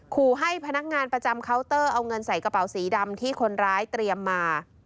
ขู่ให้พนักงานประจำเคาน์เตอร์เอาเงินใส่กระเป๋าสีดำที่คนร้ายเตรียมมา